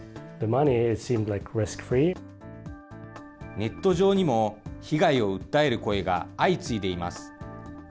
ネット上にも、被害を訴える声が相次いでいます。